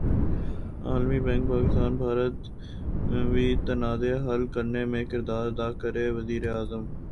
عالمی بینک پاکستان بھارت بی تنازعہ حل کرنے میں کردار ادا کرے وزیراعظم